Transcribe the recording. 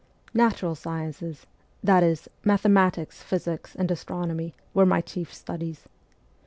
Natural sciences that is, mathematics, physics, and astronomy were my chief studies.